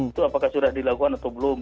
itu apakah sudah dilakukan atau belum